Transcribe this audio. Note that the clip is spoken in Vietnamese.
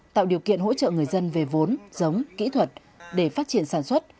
tạo điều kiện hỗ trợ người dân về vốn giống kỹ thuật để phát triển sản xuất